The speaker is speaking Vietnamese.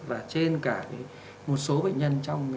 và trên cả một số bệnh nhân trong